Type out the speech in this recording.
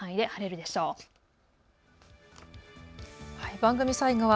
番組最後は＃